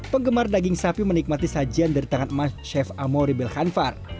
penggemar daging sapi menikmati sajian dari tangan emas chef amori belkanvar